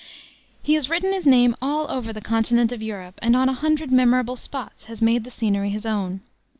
He has written his name all over the continent of Europe, and on a hundred memorable spots has made the scenery his own.